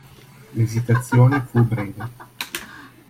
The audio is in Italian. L'esitazione fu breve.